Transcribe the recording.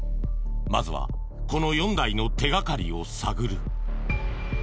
まずはこの４台の手掛かりを探る。